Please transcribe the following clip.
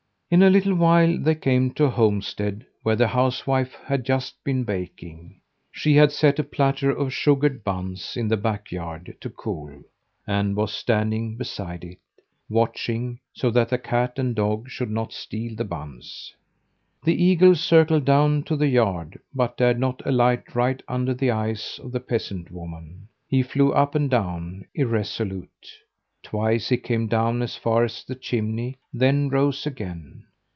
In a little while they came to a homestead where the housewife had just been baking. She had set a platter of sugared buns in the back yard to cool and was standing beside it, watching, so that the cat and dog should not steal the buns. The eagle circled down to the yard, but dared not alight right under the eyes of the peasant woman. He flew up and down, irresolute; twice he came down as far as the chimney, then rose again.